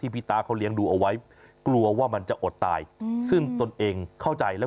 พี่ตาเขาเลี้ยงดูเอาไว้กลัวว่ามันจะอดตายซึ่งตนเองเข้าใจแล้ว